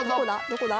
どこだ？